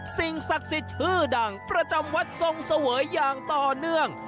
สิ่งศักดิ์สิทธิ์ชื่อดังประจำวัดทรงเสวยอย่างต่อเนื่อง